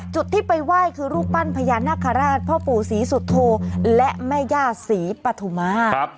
จุดที่ไปไหว้คือรูปปั้นพญานาคาราชพ่อปู่ศรีสุโธและแม่ย่าศรีปฐุมา